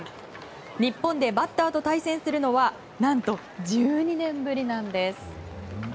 日本でバッターと対戦するのは何と、１２年ぶりなんです。